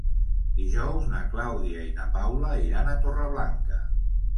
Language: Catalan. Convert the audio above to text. Dijous na Clàudia i na Paula iran a Torreblanca.